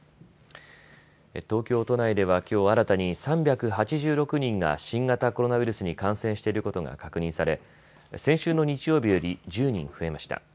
東京都内ではきょう新たに３８６人が新型コロナウイルスに感染していることが確認され、先週の日曜日より１０人増えました。